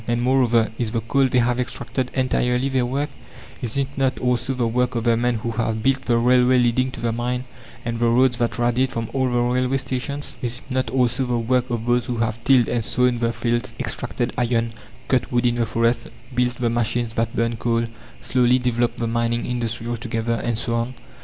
And, moreover, Is the coal they have extracted entirely their work? Is it not also the work of the men who have built the railway leading to the mine and the roads that radiate from all the railway stations? Is it not also the work of those that have tilled and sown the fields, extracted iron, cut wood in the forests, built the machines that burn coal, slowly developed the mining industry altogether, and so on?